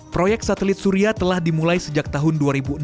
proyek satelit surya telah dimulai sejak tahun dua ribu enam belas